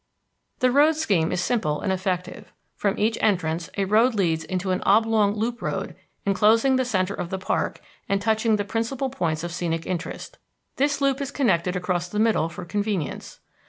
The road scheme is simple and effective. From each entrance a road leads into an oblong loop road enclosing the centre of the park and touching the principal points of scenic interest. This loop is connected across the middle for convenience.